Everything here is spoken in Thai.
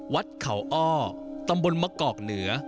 วัดเขาอ้อตำบลมะกอกเหนือ